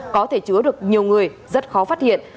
có thể chứa được nhiều người rất khó phát hiện